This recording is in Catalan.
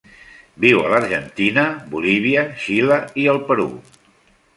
Viu a l'Argentina, Bolívia, Xile i el Perú.